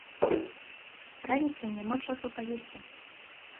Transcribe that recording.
Раніцай няма часу паесці.